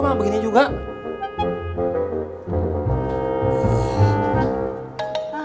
sebenernya udah shay